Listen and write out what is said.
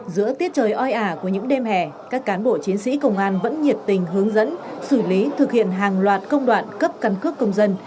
giữa tiết trời oi ả của những đêm hè các cán bộ chiến sĩ công an vẫn nhiệt tình hướng dẫn xử lý thực hiện hàng loạt công đoạn cấp căn cước công dân